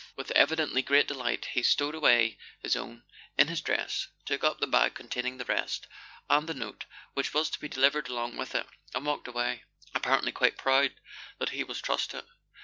With evidently great delight he stowed away his own in his dress, took up the bag containing the rest, and the note which was to be delivered along with it, and walked away, apparently quite proud that he was trusted.